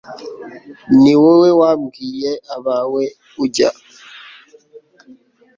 ni wowe wabwiye abawe ujya